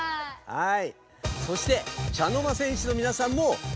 はい！